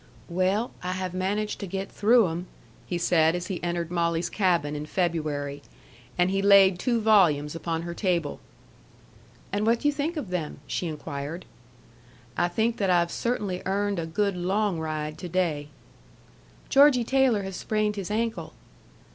"Well, I have managed to get through 'em," he said, as he entered Molly's cabin in February. And he laid two volumes upon her table. "And what do you think of them?" she inquired. "I think that I've cert'nly earned a good long ride to day." "Georgie Taylor has sprained his ankle."